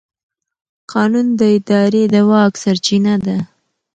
قانون د ادارې د واک سرچینه ده.